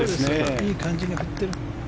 いい感じに振ってる。